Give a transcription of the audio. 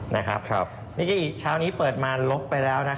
นิกาอีกเช้านี้เปิดมาลบไปแล้วนะครับ